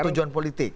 untuk tujuan politik